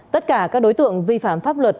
tất cả các đối tượng vi phạm pháp luật